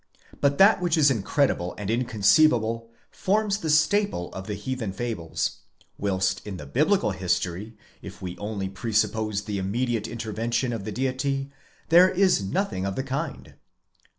"But that which is incredible and inconceivable forms the staple of the heathen fables ; whilst in the biblical history, if we only presuppose the immediate intervention of the Deity, there is nothing of the kind."